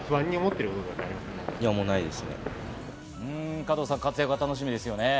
加藤さん、活躍が楽しみですよね。